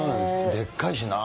でっかいしな。